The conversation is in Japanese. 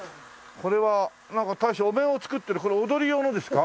これはなんか大将お面を作ってるこれ踊り用のですか？